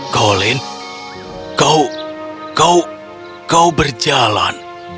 colin kau kau kau berjalan